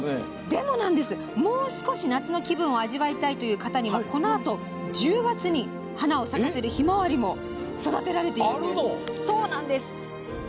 でももう少し夏の気分を味わいたいという方にはこのあと１０月に花を咲かせるひまわりも育てられているということです。